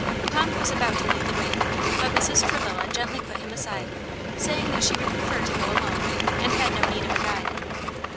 Pomp was about to lead the way, but Mrs. Travilla gently put him aside, saying that she would prefer to go alone, and had no need of a guide.